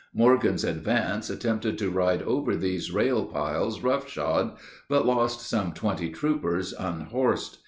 Morgan's advance attempted to ride over these "rail piles" rough shod, but lost some twenty troopers unhorsed.